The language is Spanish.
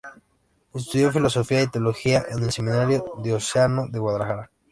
Estudió filosofía y teología en el Seminario Diocesano de Guadalajara.